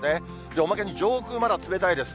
おまけに上空まだ冷たいです。